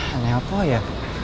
aneh apa ya